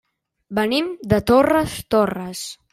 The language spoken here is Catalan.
Venim de Torres Torres.